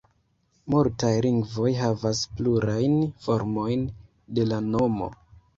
Multaj lingvoj havas plurajn formojn de la nomo.